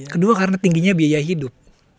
kedua karena tingginya biaya hidup